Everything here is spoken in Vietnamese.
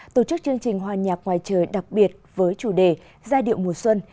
tổ chức chương trình hòa nhạc ngoài trời đặc biệt với chủ đề giai điệu mùa xuân